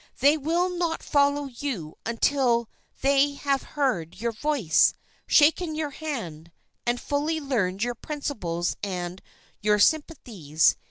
They will not follow you until they have heard your voice, shaken your hand, and fully learned your principles and your sympathies.